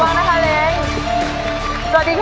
ระวังนะฮะเร็ง